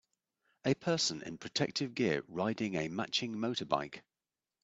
A person in protective gear riding a matching motorbike.